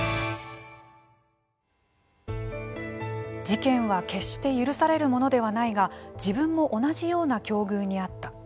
事件は決して許されるものではないが自分も同じような境遇にあった。